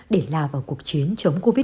để lao vào cuộc chiến chống covid một mươi chín